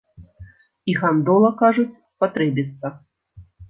І гандола, кажуць, спатрэбіцца.